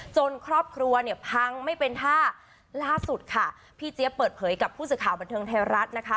ครอบครัวเนี่ยพังไม่เป็นท่าล่าสุดค่ะพี่เจี๊ยบเปิดเผยกับผู้สื่อข่าวบันเทิงไทยรัฐนะคะ